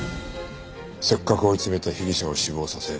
せっかく追い詰めた被疑者を死亡させ